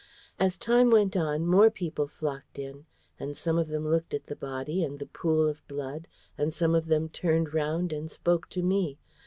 As time went on, more people flocked in; and some of them looked at the body and the pool of blood; and some of them turned round and spoke to me.